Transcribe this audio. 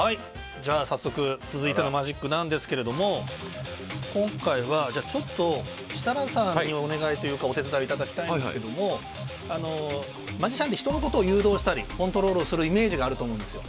じゃあ早速続いてのマジックなんですけども今回は設楽さんにお願いというかお手伝いいただきたいんですけどマジシャンって人のことを誘導したりコントロールするイメージがあると思うんですよ。